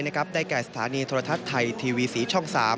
ได้แก่สถานีโทรทัศน์ไทยทีวี๔ช่อง๓